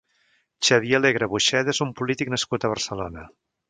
Xavier Alegre Buxeda és un polític nascut a Barcelona.